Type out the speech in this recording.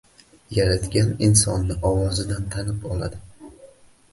Yaratgan Insonni ovozidan tanib oladi...